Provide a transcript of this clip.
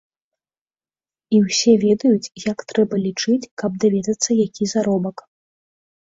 І ўсе ведаюць, як трэба лічыць, каб даведацца, які заробак.